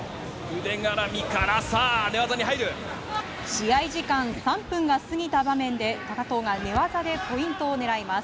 試合時間３分が過ぎた場面で高藤が寝技でポイントを狙います。